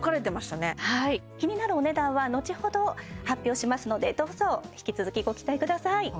はい気になるお値段は後ほど発表しますのでどうぞ引き続きご期待ください